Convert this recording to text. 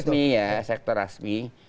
tapi itu kan sektor yang resmi ya